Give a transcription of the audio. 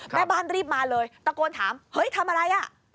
แม่บ้านรีบมาเลยตะโกนถามเฮ้ยทำอะไรอ่ะ